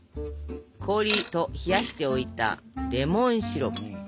氷と冷やしておいたレモンシロップ。